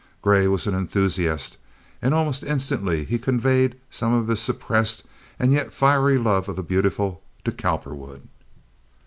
Gray was an enthusiast and almost instantly he conveyed some of his suppressed and yet fiery love of the beautiful to Cowperwood.